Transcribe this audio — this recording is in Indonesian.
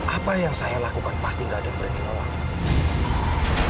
apa yang saya lakukan pasti tidak ada berarti nolak